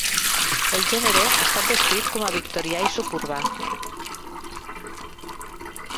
El gènere ha estat descrit com a "victorià i suburbà".